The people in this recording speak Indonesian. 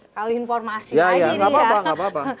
kalau informasi lagi nih ya ya ya gak apa apa